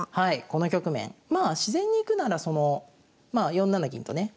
この局面まあ自然にいくならそのまあ４七銀とね